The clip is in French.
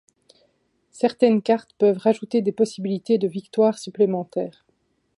Certaines cartes peuvent rajouter des possibilités de victoires supplémentaires.